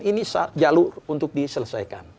ini jalur untuk diselesaikan